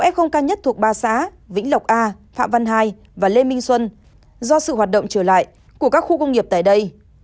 f ca nhất thuộc ba xã vĩnh lộc a phạm văn hai và lê minh xuân do sự hoạt động trở lại của các khu công nghiệp tại đây